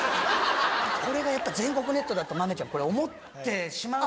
これがやっぱ全国ネットだと豆ちゃん思ってしまう。